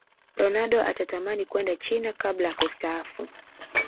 ronaldo atatamani kwenda china kabla ya kustaafu